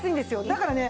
だからね